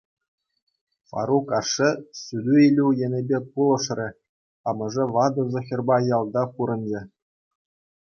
Фарук ашшӗ суту-илӳ енӗпе пулӑшрӗ, амӑшӗ ватӑ Зохерпа ялта пурӑнчӗ.